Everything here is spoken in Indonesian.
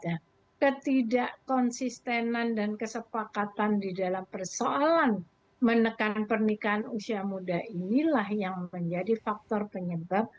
nah ketidak konsistenan dan kesepakatan di dalam persoalan menekan pernikahan usia muda inilah yang menjadi faktor penyebab